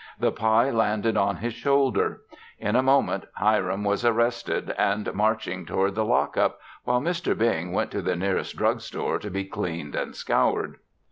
The pie landed on his shoulder. In a moment, Hiram was arrested and marching toward the lockup while Mr. Bing went to the nearest drug store to be cleaned and scoured.